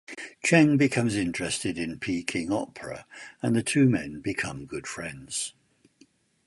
Cheng becomes interested in Peking opera and the two men become good friends.